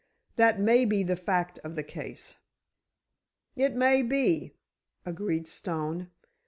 That may be the fact of the case." "It may be," agreed Stone.